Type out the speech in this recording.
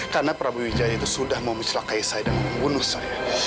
karena prabu wijaya itu sudah memuclakai saya dan membunuh saya